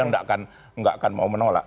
tidak akan mau menolak